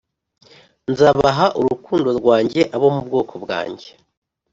Nzabaha urukundo rwanjye abo mu bwoko bwanjye